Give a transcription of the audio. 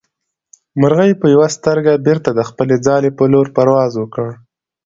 مرغۍ په یوه سترګه بېرته د خپلې ځالې په لور پرواز وکړ.